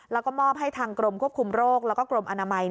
แล้วก็มอบให้ทางกรมควบคุมโรคแล้วก็กรมอนามัย